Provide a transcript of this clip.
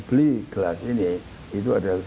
beli gelas ini itu adalah